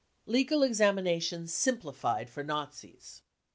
Legal Examinations simplified for Nazis.